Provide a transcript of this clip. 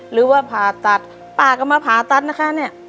หรือว่าผ่าตัดป้าก็มาผ่าตัดนะคะเนี่ย